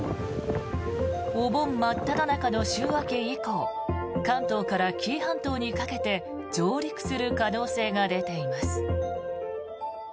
お盆真っただ中の週明け以降関東から紀伊半島にかけて上陸する可能性が出ています。